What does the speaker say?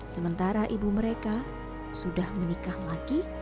sementara ibu mereka sudah menikah lagi